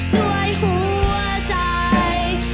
ด้วยหัวใจ